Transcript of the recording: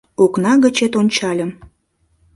Окна гычет ончальым -